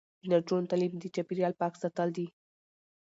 د نجونو تعلیم د چاپیریال پاک ساتل دي.